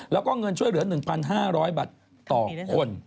แล้วก็เงินช่วยเหลือ๑๕๐๐บาทต่อคน